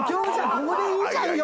ここでいいじゃんよ。